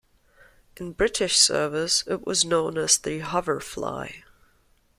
In British service, it was known as the Hoverfly.